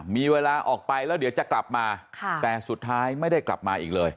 มีเวลาออกไปแล้วเดี๋ยวจะกลับมาแต่สุดท้ายไม่ได้กลับมาอีกเลย